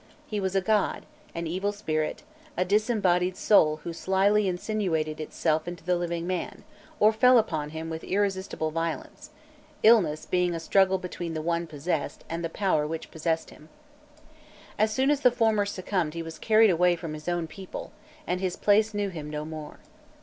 He was a god, an evil spirit, a disembodied soul who slily insinuated itself into the living man, or fell upon him with irresistible violence illness being a struggle between the one possessed and the power which possessed him. As soon as the former succumbed he was carried away from his own people, and his place knew him no more.